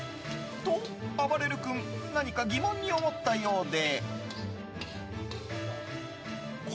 と、あばれる君何か疑問に思ったようで。